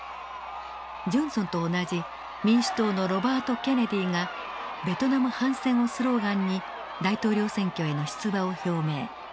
ジョンソンと同じ民主党のロバート・ケネディがベトナム反戦をスローガンに大統領選挙への出馬を表明。